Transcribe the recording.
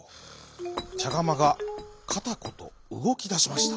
ちゃがまがカタコトうごきだしました。